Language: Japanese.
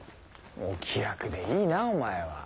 お気楽でいいなお前は。